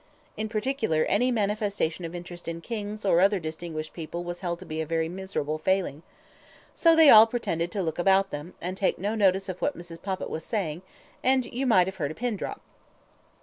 In particular, any manifestation of interest in kings or other distinguished people was held to be a very miserable failing. ... So they all pretended to look about them, and take no notice of what Mrs. Poppit was saying, and you might have heard a pin drop.